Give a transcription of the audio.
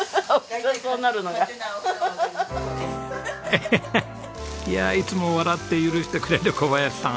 エヘヘッいつも笑って許してくれる小林さん